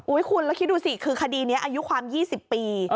คุณแล้วคิดดูสิคือคดีนี้อายุความ๒๐ปี